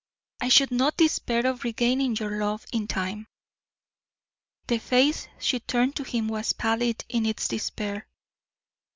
"I should not despair of regaining your love in time." The face she turned to him was pallid in its despair.